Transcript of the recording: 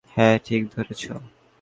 হ্যাঁ, ঠিক ধরেছ!